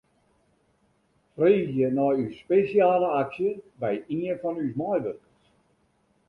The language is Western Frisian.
Freegje nei ús spesjale aksje by ien fan ús meiwurkers.